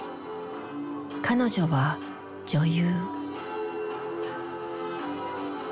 彼女は女優。